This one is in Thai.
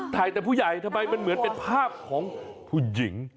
ถ่ายแต่ผู้ใหญ่ทำไมมันเหมือนเป็นภาพของผู้หญิง